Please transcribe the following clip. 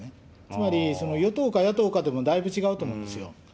つまり与党か野党かでもだいぶ違うと思うんですよ。